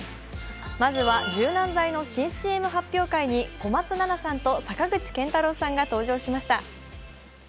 まずは、柔軟剤の新ＣＭ発表会に小松菜奈さんと坂口健太郎さんが登場しました。